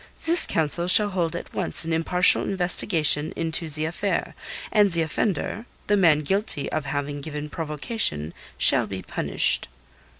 This council shall hold at once an impartial investigation into the affair, and the offender, the man guilty of having given provocation, shall be punished."